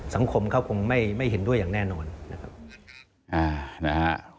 สังคมเขาคงไม่เห็นด้วยอย่างแน่นอน